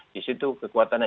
di situ kekuatannya